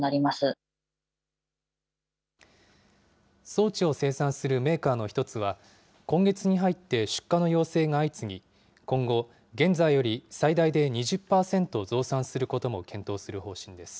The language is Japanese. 装置を生産するメーカーの１つは、今月に入って出荷の要請が相次ぎ、今後、現在より最大で２０％増産することも検討する方針です。